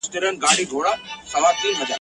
د روښان له خلوتونو د ایپي له مورچلونو !.